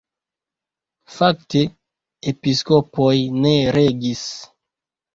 Fakte episkopoj ne regis.